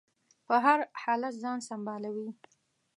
په هر حالت ځان سنبالوي.